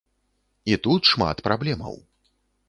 І тут шмат праблемаў.